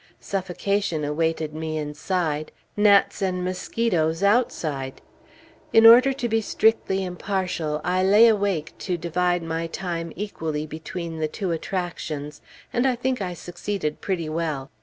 Suffocation awaited me inside, gnats and mosquitoes outside. In order to be strictly impartial, I lay awake to divide my time equally between the two attractions, and think I succeeded pretty well.